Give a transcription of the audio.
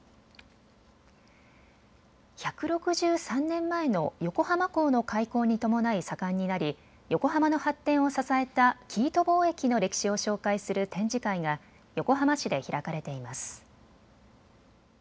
１６３年前の横浜港の開港に伴い盛んになり横浜の発展を支えた生糸貿易の歴史を紹介する展示会が横浜市で開かれています。